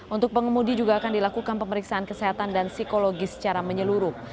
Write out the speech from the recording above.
untuk pengemudi juga akan dilakukan pemeriksaan kesehatan dan psikologi secara menyeluruh